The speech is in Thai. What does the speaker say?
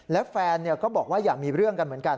และแฟนก็บอกว่าอยากมีเรื่องกันเหมือนกัน